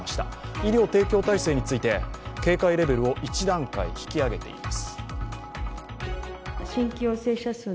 医療提供体制について、警戒レベルを１段階引き上げています。